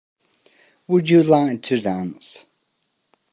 Would you like to dance?